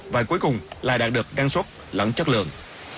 và cuối cùng lại đạt được đăng xuất lẫn chất lượng